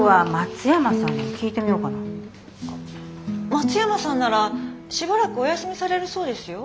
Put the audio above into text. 松山さんならしばらくお休みされるそうですよ。